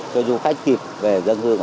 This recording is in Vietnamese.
cho du khách kịp về dân hương